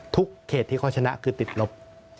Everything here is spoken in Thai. เขตที่เขาชนะคือติดลบ